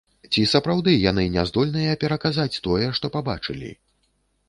Ці сапраўды яны не здольныя пераказаць тое, што пабачылі?